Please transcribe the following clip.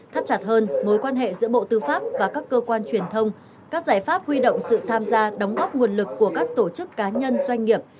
thắt chặt hơn mối quan hệ giữa bộ tư pháp và các cơ quan truyền thông các giải pháp huy động sự tham gia đóng góp nguồn lực của các tổ chức cá nhân doanh nghiệp